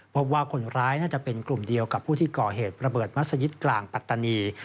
พบว่าคนร้ายน่าจะเป็นกลุ่มเดียวกับผู้ที่ก่อเหตุระเบิดมัศยิตกลางปัตตานี